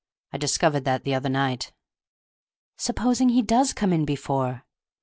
I discovered that the other night." "Supposing he does come in before?"